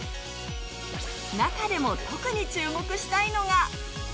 中でも特に注目したいのが。